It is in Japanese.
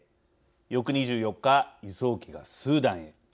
翌２４日輸送機がスーダンへ。